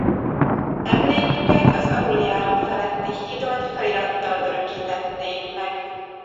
Emléküket az aluljáró feletti hídon felirattal örökítették meg.